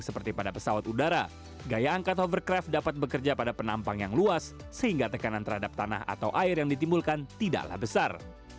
seperti pada pesawat udara gaya angkat hovercraft dapat bekerja pada penampang yang luas sehingga tekanan terhadap tanah atau air yang ditimbulkan tidaklah besar